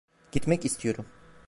Gitmek istiyorum.